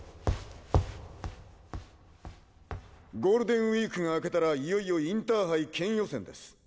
ゴールデンウィークが明けたらいよいよインターハイ県予選です。